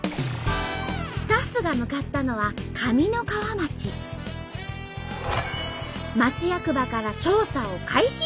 スタッフが向かったのは町役場から調査を開始。